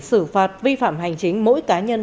xử phạt vi phạm hành chính mỗi cá nhân